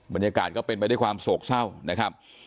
บรรยากาศก็เป็นไปด้วยความโศกเศร้านะครับ